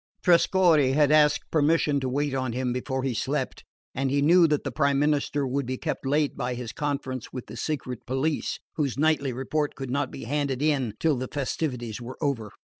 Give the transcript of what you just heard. Trescorre had asked permission to wait on him before he slept; and he knew that the prime minister would be kept late by his conference with the secret police, whose nightly report could not be handed in till the festivities were over.